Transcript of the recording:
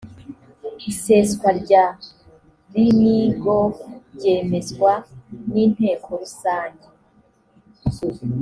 iseswa rya rngof ryemezwa n’inteko rusange